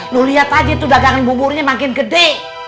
lu lihat aja tuh dagangan buburnya makin gede